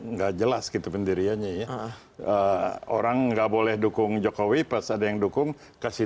enggak jelas gitu pendiriannya ya orang nggak boleh dukung jokowi pas ada yang dukung kasih